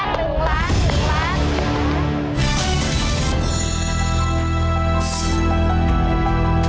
๑ล้าน